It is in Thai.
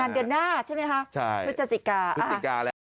ต่างงานเดือนหน้าใช่ไหมคะพุทธศิกา